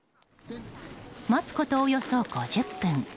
待つこと、およそ５０分。